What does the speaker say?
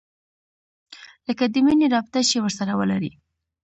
لکه د مينې رابطه چې ورسره ولري.